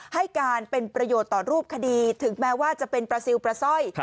ให้การเป็นประโยชน์ต่อรูปคดีถึงแม้ว่าจะเป็นปลาซิลปลาสร้อย